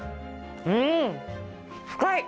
うん深い！